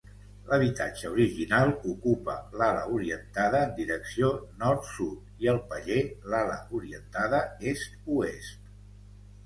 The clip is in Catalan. L'habitatge original ocupa l'ala orientada en direcció Nord-Sud i el paller l'ala orientada Est-Oest.